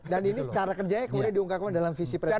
dan ini cara kerjanya kemudian diungkapkan dalam visi presiden